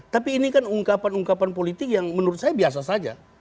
tapi ini kan ungkapan ungkapan politik yang menurut saya biasa saja